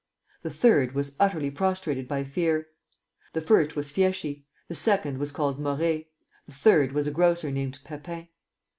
The third was utterly prostrated by fear. The first was Fieschi; the second was called Morey; the third was a grocer named Pepin.